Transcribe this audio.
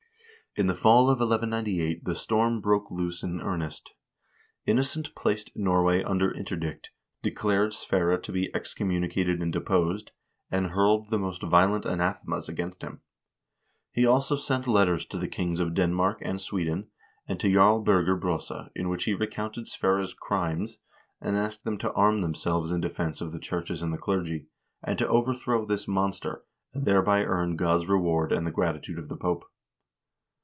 In the fall of 1198 the storm broke loose in earnest. Innocent placed Norway under interdict, declared Sverre to be excom municated and deposed, and hurled the most violent anathemas against him.2 He also sent letters to the kings of Denmark and Sweden, and to Jarl Birger Brosa, in which he recounted Sverre's "crimes," and asked them to arm themselves in defense of the churches and the clergy, and to overthrow this monster, and thereby earn God's reward and the gratitude of the Pope.